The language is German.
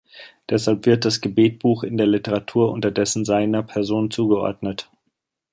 Deshalb wird das Gebetbuch in der Literatur unterdessen seiner Person zugeordnet.